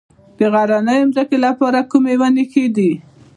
د غرنیو ځمکو لپاره کومې ونې ښې دي؟